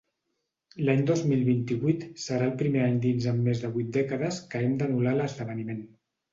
L'any dos mil vint-i-vuit serà el primer any dins en més de vuit dècades que hem d'anul·lar l'esdeveniment.